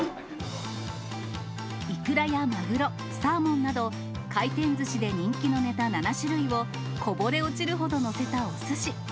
イクラやマグロ、サーモンなど、回転ずしで人気のネタ７種類を、こぼれ落ちるほど載せたおすし。